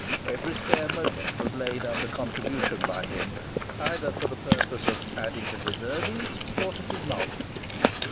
Every spare moment was laid under contribution by him, either for the purpose of adding to his earnings, or to his knowledge.